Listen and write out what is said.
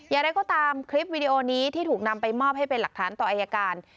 อย่างไรก็ตามคลิปวิดีโอนี้ที่ถูกนำไปมอบให้เป็นหลักฐานต่ออายการ